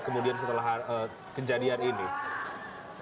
kemudian setelah kejadiannya